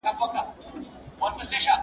تکړښت د ښوونکي له خوا تنظيم کيږي!